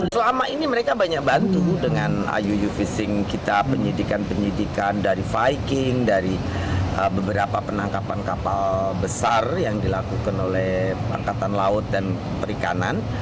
selama ini mereka banyak bantu dengan iuu fishing kita penyidikan penyidikan dari viking dari beberapa penangkapan kapal besar yang dilakukan oleh angkatan laut dan perikanan